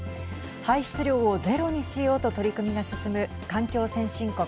排水量をゼロにしようと取り組みが進む環境先進国